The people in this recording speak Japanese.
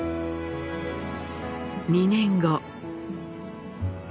２年後。